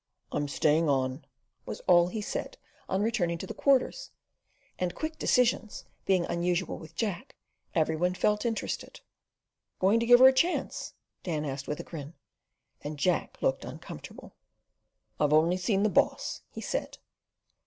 "I'm staying on," was all he said on returning to the Quarters; and quick decisions being unusual with Jack, every one felt interested. "Going to give her a chance?" Dan asked with a grin, and Jack looked uncomfortable. "I've only seen the boss," he said.